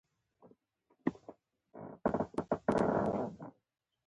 احمد شاه بابا د ډېرو جګړو مشري وکړه او بریاوي یې ترلاسه کړې.